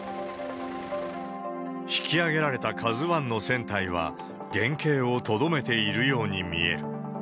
引き揚げられたＫＡＺＵＩの船体は、原形をとどめているように見える。